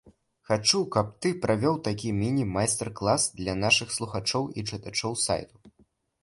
Хачу каб ты правёў такі міні-майстар клас для нашых слухачоў і чытачоў сайту.